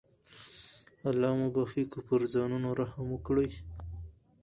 الله مو بخښي که پر ځانونو رحم وکړئ.